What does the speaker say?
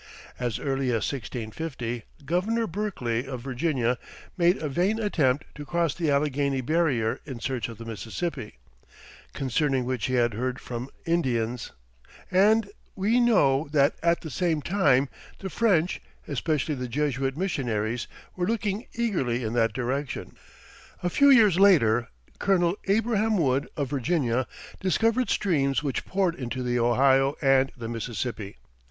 As early as 1650 Governor Berkeley, of Virginia, made a vain attempt to cross the Alleghany barrier in search of the Mississippi, concerning which he had heard from Indians; and we know that at the same time the French, especially the Jesuit missionaries, were looking eagerly in that direction. A few years later Colonel Abraham Wood, of Virginia, discovered streams which poured into the Ohio and the Mississippi.